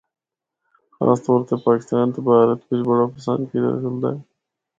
خاص طور تے پاکستان تے بھارت بچ بڑا پسند کیتا جلدا ہے۔